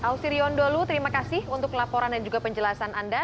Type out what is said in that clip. ausirion dholu terima kasih untuk laporan dan juga penjelasan anda